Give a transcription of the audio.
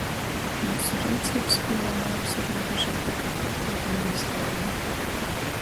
Myusu reiceibspieja naapsarūbežoj tik ar patiereņa izvēlēm.